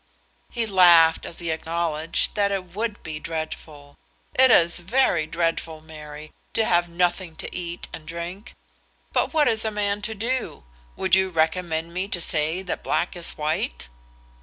He laughed as he acknowledged that it would be dreadful. "It is very dreadful, Mary, to have nothing to eat and drink. But what is a man to do? Would you recommend me to say that black is white?"